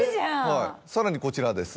はいさらにこちらです。